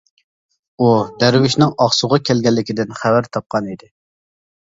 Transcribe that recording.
ئۇ دەرۋىشنىڭ ئاقسۇغا كەلگەنلىكىدىن خەۋەر تاپقانىدى.